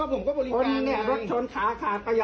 ผมก็บริการ๔นี่